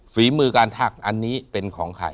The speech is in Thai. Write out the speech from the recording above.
ฝีมือการทักอันนี้เป็นของใคร